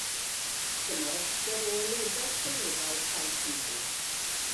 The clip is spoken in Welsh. Dyma restr o Aelodau Seneddol Plaid Cymru.